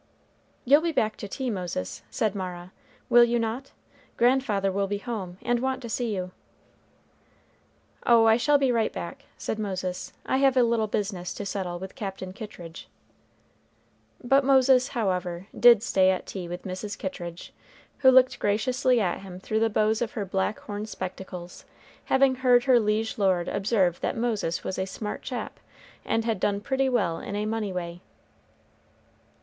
"You'll be back to tea, Moses," said Mara, "will you not? Grandfather will be home, and want to see you." "Oh, I shall be right back," said Moses, "I have a little business to settle with Captain Kittridge." But Moses, however, did stay at tea with Mrs. Kittridge, who looked graciously at him through the bows of her black horn spectacles, having heard her liege lord observe that Moses was a smart chap, and had done pretty well in a money way.